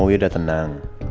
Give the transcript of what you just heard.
snowy udah tenang